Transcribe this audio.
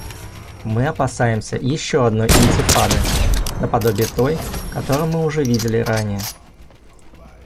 Мы опасаемся еще одной «интифады», наподобие той, которую мы уже видели ранее.